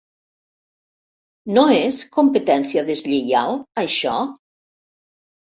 No és competència deslleial, això?